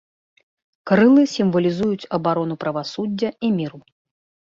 Крылы сімвалізуюць абарону правасуддзя і міру.